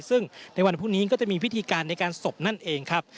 ซึ่งในวันพรุ่งนี้ก็จะมีพิธีการในการศพนั่นเองครับ